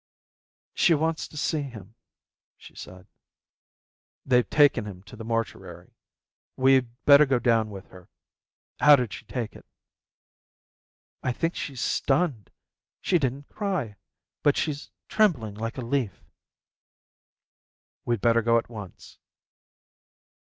"She wants to see him," she said. "They've taken him to the mortuary. We'd better go down with her. How did she take it?" "I think she's stunned. She didn't cry. But she's trembling like a leaf." "We'd better go at once."